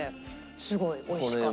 すごい美味しかった。